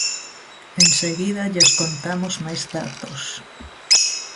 Enseguida lles contamos máis datos.